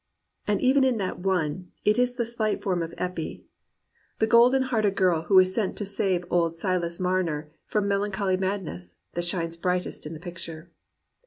And even in that one it is the shght form of Eppie, the golden 135 COMPANIONABLE BOOKS hearted girl who was sent to save old Silas Marner from melancholy madness, that shines brightest in the picture.